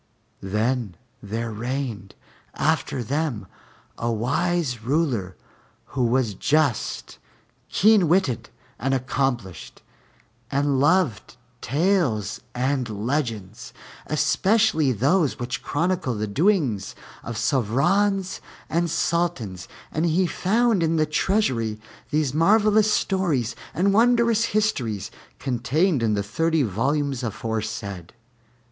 Then there reigned after them a wise ruler, who was just, keen witted, and accomplished, and loved tales and legends, especially those which chronicle the doings of Sovrans and Sultans, and he found in the treasury these marvelous stories and wondrous histories, contained in the thirty volumes aforesaid.